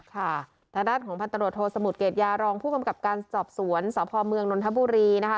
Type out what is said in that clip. ทางด้านของพันตรวจโทสมุทรเกรดยารองผู้กำกับการสอบสวนสพเมืองนนทบุรีนะคะ